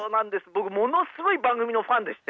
僕ものすごい番組のファンでして。